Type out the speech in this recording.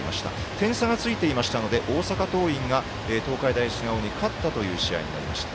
点差がついていましたので大阪桐蔭が東海大菅生に勝ったという試合になりました。